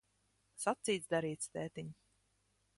Sacīts, darīts, tētiņ.